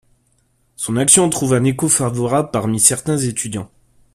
Son action trouve un écho favorable parmi certains étudiants.